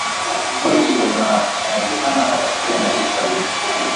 portugal na inawekana hata spain na italy